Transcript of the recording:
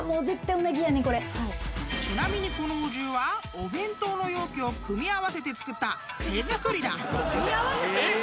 ［ちなみにこのお重はお弁当の容器を組み合わせて作った手作りだ］えっ？